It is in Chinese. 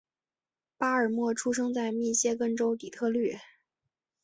巴尔默出生在密歇根州底特律。